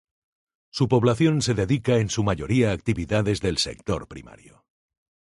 Su población se dedica en su mayoría a actividades del sector primario.